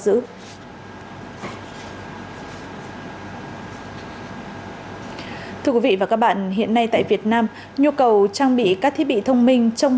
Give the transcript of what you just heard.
giữ thưa quý vị và các bạn hiện nay tại việt nam nhu cầu trang bị các thiết bị thông minh trong